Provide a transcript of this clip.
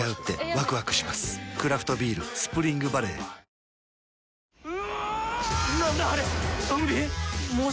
クラフトビール「スプリングバレー」はいＯＫでーす！